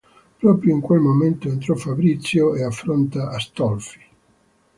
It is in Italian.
Proprio in quel momento entra Fabrizio e affronta Astolfi.